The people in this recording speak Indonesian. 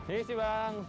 ini sih bang